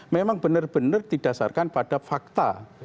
memang benar benar didasarkan pada fakta